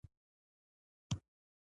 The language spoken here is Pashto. ـ زه ساده ،ته حرام زاده.